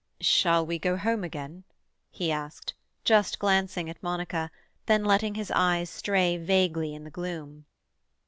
"Shall we go home again?" he asked, just glancing at Monica, then letting his eyes stray vaguely in the gloom.